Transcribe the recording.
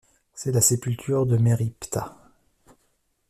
C'est la sépulture de Méry-Ptah.